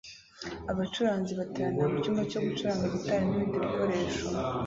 Abacuranzi bateranira mu cyumba cyo gucuranga gitari n'ibindi bikoresho